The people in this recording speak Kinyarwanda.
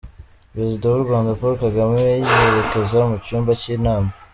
Perezida w’u Rwanda Paul Kagame yerekeza mu cyumba cy’inama